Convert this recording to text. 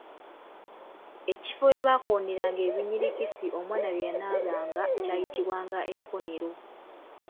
Ekifo we baakoneranga ebinyirikisi omwana bye yanaabanga kyayitibwanga Ekkonero.